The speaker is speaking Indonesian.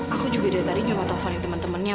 aku juga tadi nyoba telepon ke temen temennya